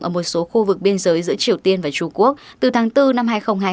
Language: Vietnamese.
ở một số khu vực biên giới giữa triều tiên và trung quốc từ tháng bốn năm hai nghìn hai mươi